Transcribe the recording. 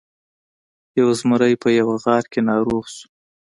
یو زمری په یوه غار کې ناروغ شو.